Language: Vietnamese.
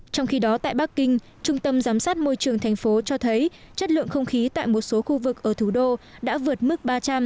trong khi đó tại bắc kinh trung tâm giám sát môi trường thành phố cho thấy chất lượng không khí tại một số khu vực ở thủ đô đã vượt mức ba trăm linh